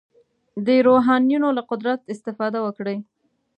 د روحانیونو له قدرت استفاده وکړي.